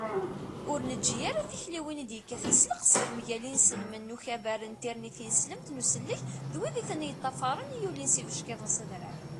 ur neǧǧi ara tikliwin i d-yekkaten s leqseḥ mgal inselmen n ukabar n tirni tineslemt n usellek d wid i ten-yeṭṭafaṛen i yulin s yibeckiḍen s adrar